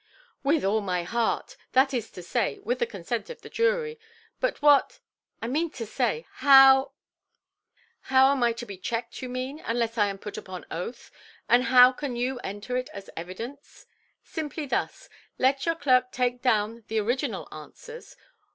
"With all my heart; that is to say, with the consent of the jury. But what—I mean to say, how——" "How am I to be checked, you mean, unless I am put upon oath; and how can you enter it as evidence? Simply thus—let your clerk take down the original answers.